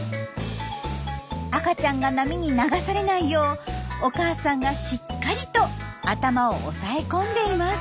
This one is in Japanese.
赤ちゃんが波に流されないようお母さんがしっかりと頭を押さえ込んでいます。